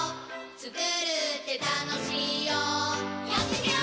つくるってたのしいよやってみよー！